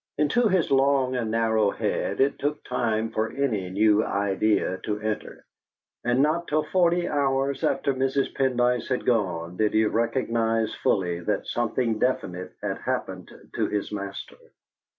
Into his long and narrow head it took time for any new idea to enter, and not till forty hours after Mrs. Pendyce had gone did he recognise fully that something definite had happened to his master.